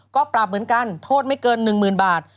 ก็ปรับเหมือนกันโทษไม่เกิน๑๐๐๐บาท